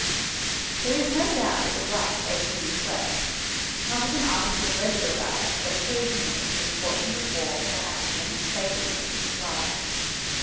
There is no doubt that the blacks ate human flesh, not as an article of regular diet, but occasionally, when the fortune of war, or accident, favoured them with a supply.